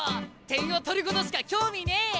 点を取ることしか興味ねえ！